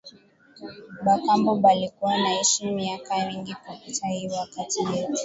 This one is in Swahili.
Ba kambo balikuwa naishi myaka mingi kupita iyi wakati yetu